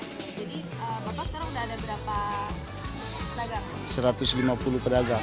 jadi berapa sekarang sudah ada berapa pedagang